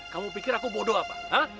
kamu pikir aku bodoh apa